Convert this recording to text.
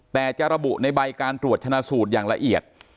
แต่จะระบุในใบการตรวจชนะสูตรอย่างละเอียด